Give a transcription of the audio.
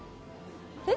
えっ？